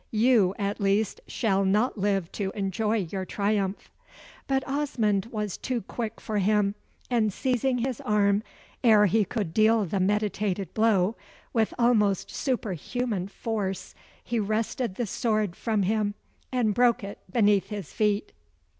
You, at least, shall not live to enjoy your triumph." But Osmond was too quick for him, and seizing his arm, ere he could deal the meditated blow, with almost superhuman force, he wrested the sword from him, and broke it beneath his feet.